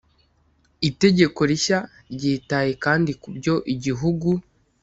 Itegeko rishya ryitaye kandi ku byo Igihugu